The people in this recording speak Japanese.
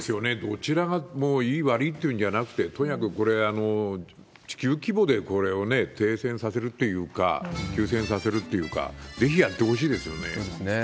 どちらがもういい悪いというんじゃなくて、とにかくこれ、地球規模でこれを停戦させるというか、休戦させるというか、そうですね。